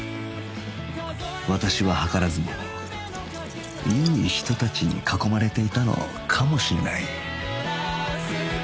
私は図らずもいい人たちに囲まれていたのかもしれない